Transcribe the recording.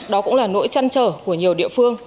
đó cũng là nỗi chăn trở của nhiều địa phương